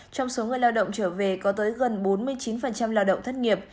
trong số người lao động trở về có tới gần bốn mươi chín lao động thất nghiệp